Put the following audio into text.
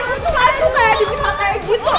orang tuh langsung kayak diminta kayak gitu